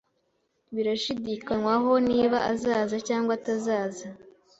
Birashidikanywaho niba azaza cyangwa atazaza.